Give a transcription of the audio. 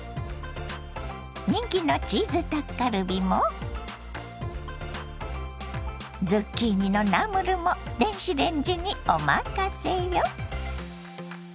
人気のチーズタッカルビもズッキーニのナムルも電子レンジにおまかせよ。